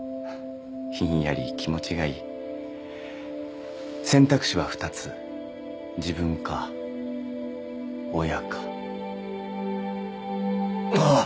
ひんやり気持ちがいい選択肢は２つ自分か親かああ！